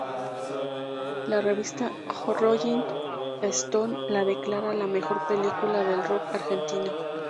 La revista Rolling Stone la declara la mejor película del Rock Argentino.